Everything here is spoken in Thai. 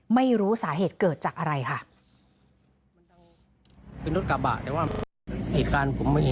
ไม่รู้สาเหตุเกิดจากอะไรค่ะ